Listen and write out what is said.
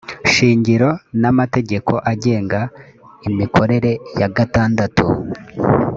shingiro n amategeko agenga imikorere ya gatandatu